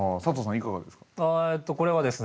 いかがですか？